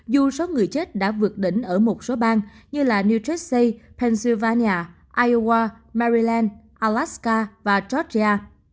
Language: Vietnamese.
dù số người chết đã vượt đỉnh ở một số bang như là new jersey pennsylvania iowa maryland alaska và georgia